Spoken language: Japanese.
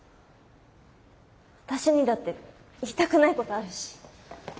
私にだって言いたくないことあるし。